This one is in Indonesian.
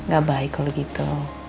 gak baik kalau gitu